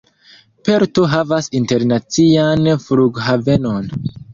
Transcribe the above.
Perto havas internacian flughavenon.